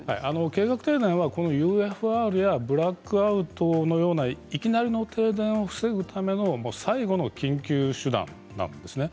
計画停電はＵＦＲやブラックアウトのようないきなりの停電を防ぐための最後の緊急手段なんですね。